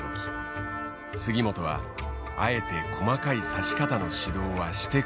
杉本はあえて細かい指し方の指導はしてこなかった。